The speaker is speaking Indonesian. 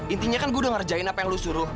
intinya kan gue udah ngerjain apa yang lu suruh